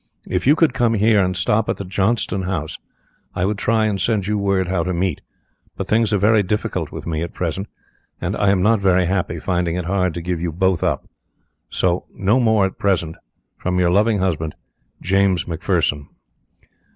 If you could come here and stop at the Johnston House I would try and send you word how to meet, but things are very difficult with me at present, and I am not very happy, finding it hard to give you both up. So no more at present, from your loving husband, "James McPherson."